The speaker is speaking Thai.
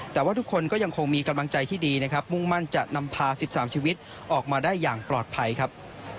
แต่ว่าทุกคนก็ยังคงมีกำลังใจที่ดีนะครับมุ่งมั่นจะนำพา๑๓ชีวิตออกมาได้อย่างปลอดภัยครับ